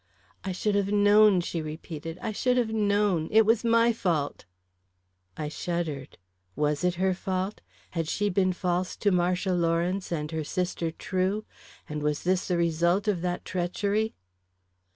"I should have known!" she repeated. "I should have known! It was my fault!" I shuddered. Was it her fault? Had she been false to Marcia Lawrence, and her sister true, and was this the result of that treachery?